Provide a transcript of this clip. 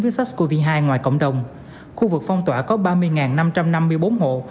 với sars cov hai ngoài cộng đồng khu vực phong tỏa có ba mươi năm trăm năm mươi bốn hộ